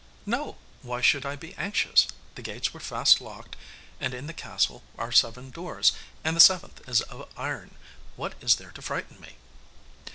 'No, why should I be anxious? The gates were fast locked, and in the castle are seven doors, and the seventh is of iron. What is there to frighten me?